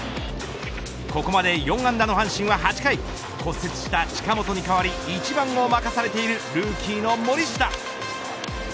ここまで４安打の阪神は８回骨折した近本に代わり１番を任されているルーキーの森下。